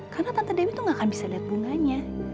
karena tante dewi tuh gak akan bisa lihat bunganya